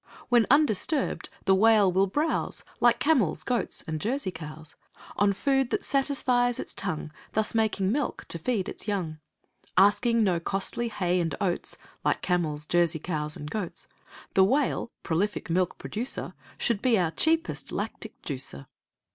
When undisturbed, the Whale will browse Like camels, goats, and Jersey cows, On food that satisfies its tongue, Thus making milk to feed its young. Asking no costly hay and oats, Like camels, Jersey cows, and goats, The Whale, prolific milk producer, Should be our cheapest lactic juicer.